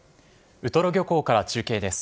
ウトロ漁港から中継です。